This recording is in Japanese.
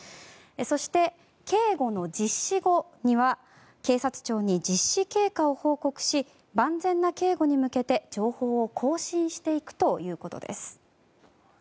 そして、警護の実施後には警察庁に実施経過を報告し万全な警護に向けて情報を更新していくということです。